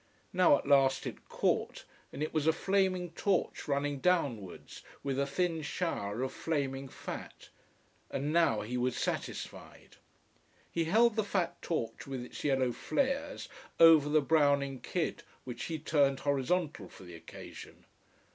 Now at last it caught, and it was a flaming torch running downwards with a thin shower of flaming fat. And now he was satisfied. He held the fat torch with its yellow flares over the browning kid, which he turned horizontal for the occasion.